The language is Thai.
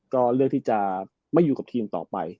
ก็เลือกที่จะไม่อยู่กับทีมต่อไป